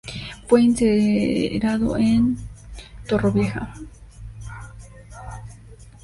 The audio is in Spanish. Fue incinerado en Torrevieja.